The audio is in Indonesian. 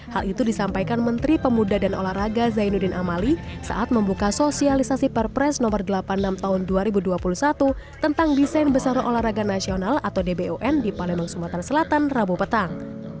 hal itu disampaikan menteri pemuda dan olahraga zainuddin amali saat membuka sosialisasi perpres no delapan puluh enam tahun dua ribu dua puluh satu tentang desain besar olahraga nasional atau dbon di palembang sumatera selatan rabu petang